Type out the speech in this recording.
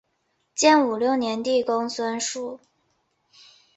建武六年帝公孙述。